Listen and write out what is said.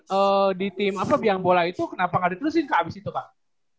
tiga tahun di tim apa yang bola itu kenapa gak ditelusin kak abis itu kak